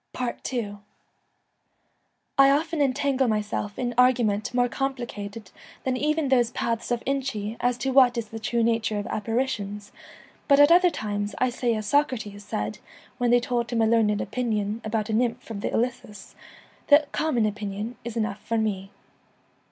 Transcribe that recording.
ii I often entangle myself in arguments more complicated than even those paths of Inchy as to what is the true nature of apparitions, but at other times I say as Socrates said when they told him a learned opinion about a nymph of the Ilissus, 'The common opinion is enough for me.'